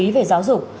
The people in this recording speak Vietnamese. về giáo dục